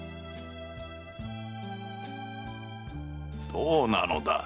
どうなのだ？